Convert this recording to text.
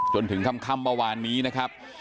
จนถึงค่ำเมื่อวานนี้นะครับ